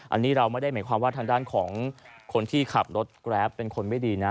อันนี้เราไม่ได้หมายความว่าทางด้านของคนที่ขับรถแกรปเป็นคนไม่ดีนะ